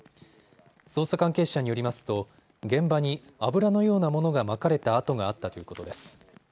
捜査関係者によりますと現場に油のようなものがまかれた跡があったということです。